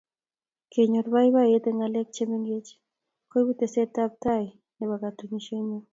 kenyoor boiboiyeet eng ngalek che mengeech koibu tesetab taai katunisienyoo